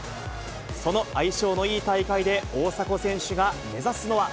その相性のいい大会で、大迫選手が目指すのは。